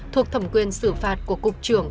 thuộc thẩm quyền xử phạt của cục trưởng